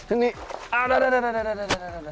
ini ada ada ada